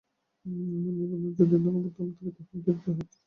মূল নিবন্ধ যদি ধানবাদ নামে থাকে, তাহলে ধীরে ধীরে হাতে হাতে সংশোধন করুন।